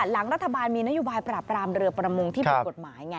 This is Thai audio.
หลังรัฐบาลมีนโยบายปราบรามเรือประมงที่ผิดกฎหมายไง